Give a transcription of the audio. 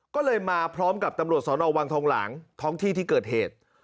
ก็เลยมาพร้อมกับตำรวจสอนอวังทองหลางท้องที่ที่เกิดเหตุ